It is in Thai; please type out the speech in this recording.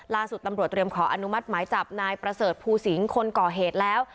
ล่าสุดตำรวจเตรียมขออนุมัติหมายจับนายประเสริฐภูสิงศ์คนก่อเหตุแล้ว